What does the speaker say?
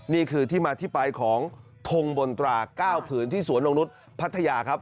นี่คือที่มาที่ไปของทงบนตราก้าวผืนที่สวนองค์นุฏภัทยาครับ